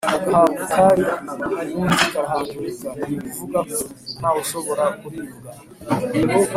agahwa kari ku wundi gahandurika- ni ukuvuga ko ntawashobora kuribwa